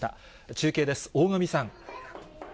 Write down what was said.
中継です、大神さん。